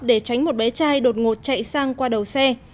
để tránh một bé trai đột ngột chạy sang qua đầu xe